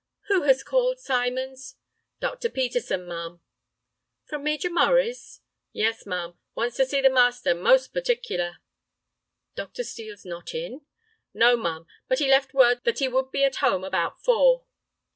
"Who has called, Symons?" "Dr. Peterson, ma'am." "From Major Murray's?" "Yes, ma'am; wants to see the master, most particular." "Dr. Steel's not in?" "No, ma'am, but he left word that he would be at home about four."